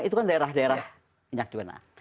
itu kan daerah daerah minyak juga